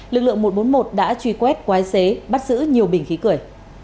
lực lượng một trăm bốn mươi một đã truy quét quái xế bắt giữ nhiều bình khí cười